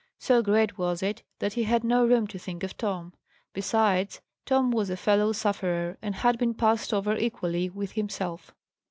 So great was it, that he had no room to think of Tom. Besides, Tom was a fellow sufferer, and had been passed over equally with himself.